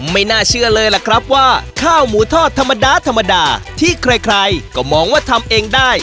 ไม่น่าเชื่อเลยล่ะครับว่าข้าวหมูทอดธรรมดาธรรมดาที่ใครก็มองว่าทำเองได้